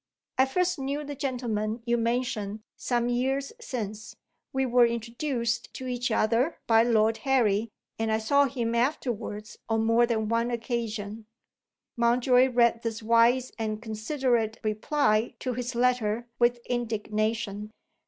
I first knew the gentleman you mention some years since; we were introduced to each other by Lord Harry; and I saw him afterwards on more than one occasion." Mountjoy read this wise and considerate reply to his letter with indignation.